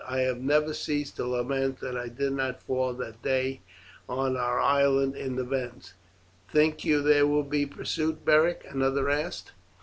"I have never ceased to lament that I did not fall that day on our island in the fens." "Think you there will be pursuit, Beric?" another asked.